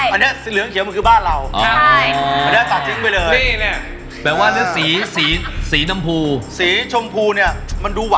อันนี้สีเหลืองเขียวมันคือบ้านเรา